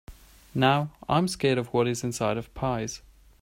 Now, I’m scared of what is inside of pies.